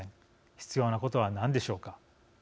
必要なことは何でしょうか。